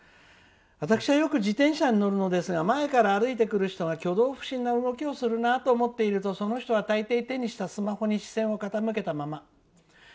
「私はよく自転車に乗るのですが前から歩いてくる人が挙動不審な動きをするなと思っていると、その人はたいてい手にしたスマホに視線を傾けたまま。